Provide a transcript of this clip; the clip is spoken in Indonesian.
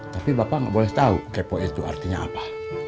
tapi bapak gak boleh tau kepo itu artinya apa